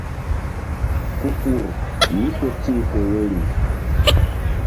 Ku ur mí ku tih fe woyri.